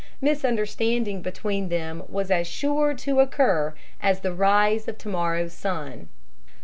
Misunderstanding between them was as sure to occur as the rise of to morrow's sun.